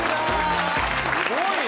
・すごいね。